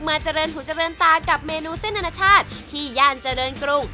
เจริญหูเจริญตากับเมนูเส้นอนาชาติที่ย่านเจริญกรุง